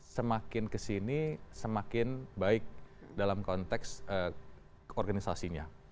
semakin kesini semakin baik dalam konteks organisasinya